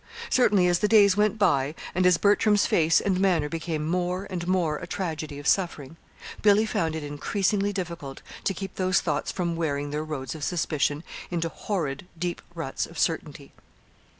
Certainly, as the days went by, and as Bertram's face and manner became more and more a tragedy of suffering, Billy found it increasingly difficult to keep those thoughts from wearing their roads of suspicion into horrid deep ruts of certainty.